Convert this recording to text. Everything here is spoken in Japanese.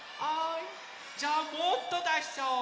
じゃもっとだしちゃおう。